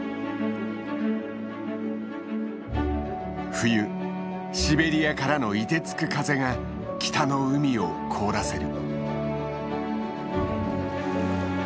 冬シベリアからのいてつく風が北の海を凍らせる。